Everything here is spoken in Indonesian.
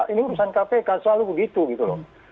ini urusan kpk selalu begitu gitu loh